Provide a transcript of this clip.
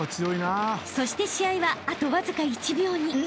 ［そして試合はあとわずか１秒に］